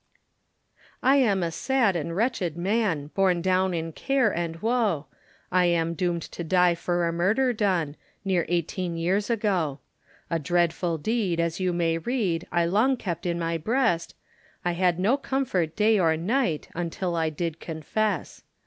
I am a sad and wretched man, Borne down in care and woe, I am doomed to die for a murder done Near eighteen years ago; A dreadful deed, as you may read, I long kept in my breast, I'had no comfort day or night, Until I did confess.